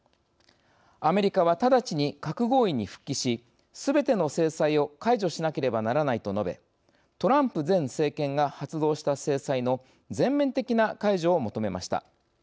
「アメリカは、直ちに核合意に復帰しすべての制裁を解除しなければならない」と述べトランプ前政権が発動した制裁の全面的な解除を求めました。